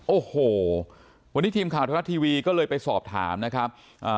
โอ้โหวันนี้ทีมข่าวไทยรัฐทีวีก็เลยไปสอบถามนะครับอ่า